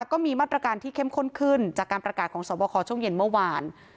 ก็มีมาตรการที่เข้มข้นขึ้นจากการประกาศของสวบคอช่วงเย็นเมื่อวาน